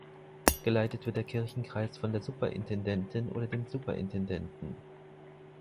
Geleitet wird der Kirchenkreis von der Superintendentin oder dem Superintendenten.